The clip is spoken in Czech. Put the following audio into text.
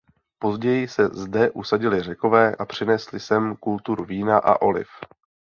Později se zde usadili Řekové a přinesli sem kulturu vína a oliv.